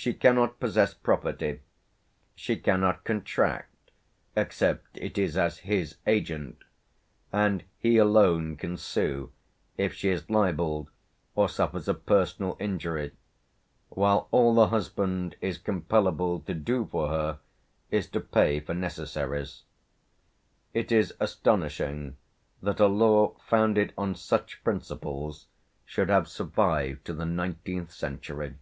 She cannot possess property she cannot contract, except it is as his agent; and he alone can sue if she is libelled or suffers a personal injury; while all the husband is compellable to do for her is to pay for necessaries. It is astonishing that a law founded on such principles should have survived to the nineteenth century."